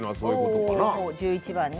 １１番ね。